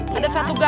ya hebat juga